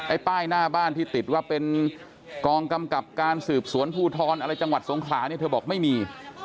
ป้ายหน้าบ้านที่ติดว่าเป็นกองกำกับการสืบสวนภูทรอะไรจังหวัดสงขลาเนี่ยเธอบอกไม่มี